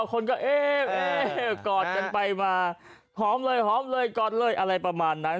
คนก็เอ๊ะกอดกันไปมาหอมเลยหอมเลยกอดเลยอะไรประมาณนั้น